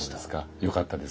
よかったです。